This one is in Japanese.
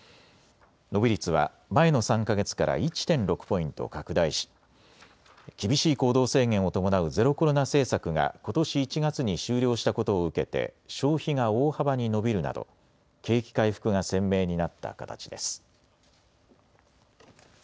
伸び率は前の３か月から１．６ポイント拡大し厳しい行動制限を伴うゼロコロナ政策がことし１月に終了したことを受けて消費が大幅に伸びるなど景気回復が鮮明になった形です。